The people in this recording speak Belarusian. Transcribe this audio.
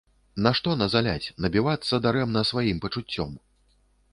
Нашто назаляць, набівацца дарэмна сваім пачуццём!